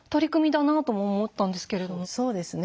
そうですね。